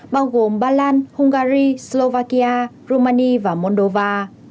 bao gồm bà lan hungary slovakia rumania và moldova